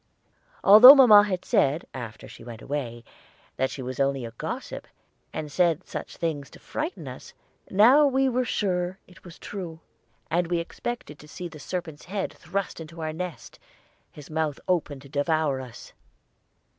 Although mamma had said, after she went away, that she was only a gossip, and said such things to frighten us, now we were sure it was the truth, and we expected to see the serpent's head thrust into our nest, his mouth open to devour us.